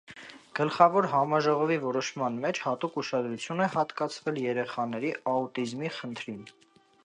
Գլխավոր համաժողովի որոշման մեջ հատուկ ուշադրություն է հատկացվել երեխաների աուտիզմի խնդրին։